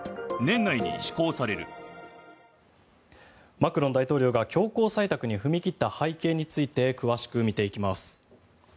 マクロン大統領が強行採択に踏み切った背景について詳しく見ていきます。